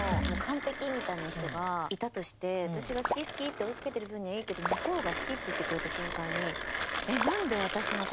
私が「好き好き」って追いかけてる分にはいいけど向こうが「好き」って言ってくれた瞬間に「なんで私の事？」